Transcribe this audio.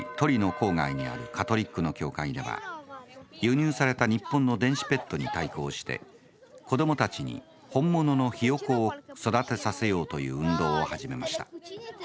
郊外にあるカトリックの教会では輸入された日本の電子ペットに対抗して子どもたちに本物のヒヨコを育てさせようという運動を始めました。